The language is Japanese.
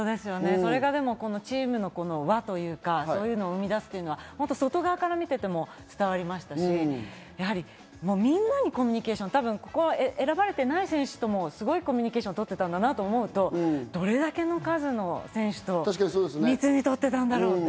それがチームの和を生み出すのが外側から見ていても伝わりましたし、みんなでコミュニケーション、選ばれていない選手ともすごいコミュニケーション取っていたんだなと思うとどれだけの数の選手と密にとっていたんだろうと。